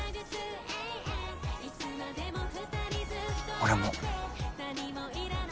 俺も。